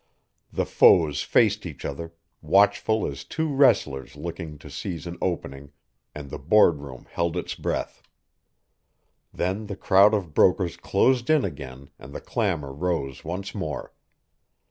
The foes faced each other, watchful as two wrestlers looking to seize an opening, and the Board room held its breath. Then the crowd of brokers closed in again and the clamor rose once more.